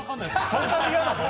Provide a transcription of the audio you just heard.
そんなに嫌なの？